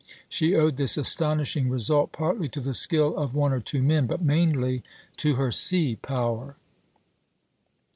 She owed this astonishing result partly to the skill of one or two men, but mainly to her sea power.